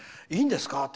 いいんですか？